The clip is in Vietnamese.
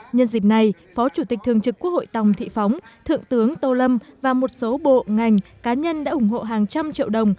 nhân dịp này phó chủ tịch thường trực quốc hội tòng thị phóng thượng tướng tô lâm và một số bộ ngành cá nhân đã ủng hộ hàng trăm triệu đồng